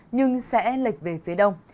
nhưng sẽ lịch về phía đông